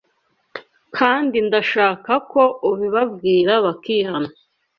kandi ndashaka ko ubibabwira bakihana